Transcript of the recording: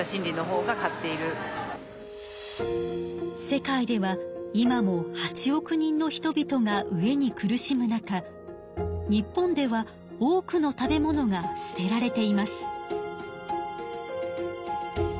世界では今も８億人の人びとが飢えに苦しむ中日本では多くの食べ物が捨てられています。